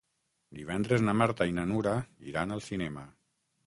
Divendres na Marta i na Nura iran al cinema.